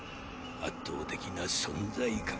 圧倒的な存在感。